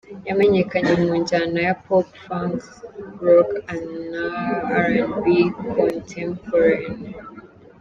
Yamenyekanye mu njyana ya Pop, Funk, Rock na R&B contemporain.